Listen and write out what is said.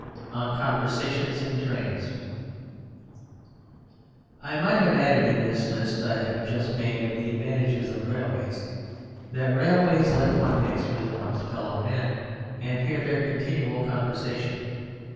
ON CONVERSATIONS IN TRAINS I might have added in this list I have just made of the advantages of Railways, that Railways let one mix with one's fellow men and hear their continual conversation.